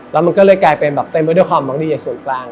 และมันก็เลยกลายเป็นเต็มมาด้วยคอมบังรีอย่างส่วนกลาง